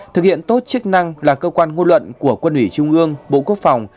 thực hiện tốt chức năng là cơ quan ngôn luận của quân ủy trung ương bộ quốc phòng